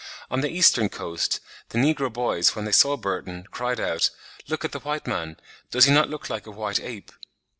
On the eastern coast, the negro boys when they saw Burton, cried out, "Look at the white man; does he not look like a white ape?"